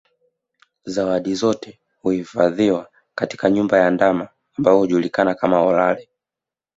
Zawadi zote huhifadhiwa katika nyumba ya ndama ambayo hujulikana kama Olale